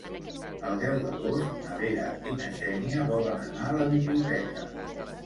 El deu d'agost na Vera i na Xènia volen anar a la biblioteca.